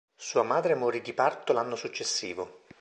Sua madre morì di parto l'anno successivo.